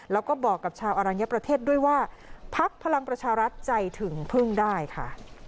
แล้วก็บอกกับชาวอรัญญประเทศด้วยว่าพักพลังประชารัฐใจถึงพึ่งได้ค่ะ